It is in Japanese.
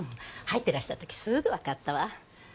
入ってらした時すぐわかったわ。